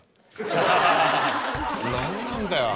何なんだよ。